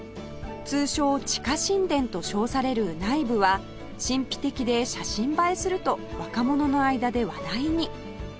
通称地下神殿と称される内部は神秘的で写真映えすると若者の間で話題に